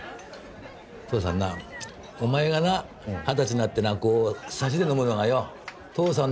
父さんなお前がな二十歳になってなこうサシで飲むのがよ父さんの夢だったんだよ。